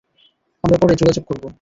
আমরা পরে যোগাযোগ করবো।